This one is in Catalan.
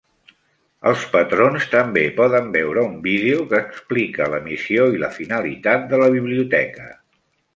Els patrons també poden veure un vídeo que explica la missió i la finalitat de la biblioteca.